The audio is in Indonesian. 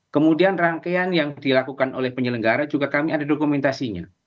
kemudian rangkaian yang dilakukan oleh penyelenggara juga kami ada dokumentasinya